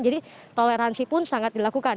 jadi toleransi pun sangat dilakukan